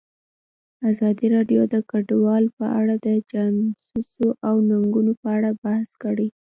ازادي راډیو د کډوال په اړه د چانسونو او ننګونو په اړه بحث کړی.